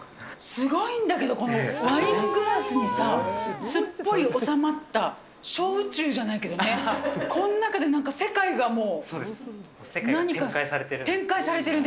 すごいんだけど、このワイングラスにさ、すっぽり収まった小宇宙じゃないけどね、世界が展開されている。